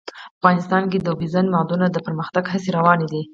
افغانستان کې د اوبزین معدنونه د پرمختګ هڅې روانې دي.